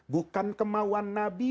bukan kemauan nabi